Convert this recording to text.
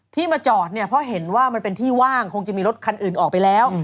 มาจอดเนี่ยเพราะเห็นว่ามันเป็นที่ว่างคงจะมีรถคันอื่นออกไปแล้ว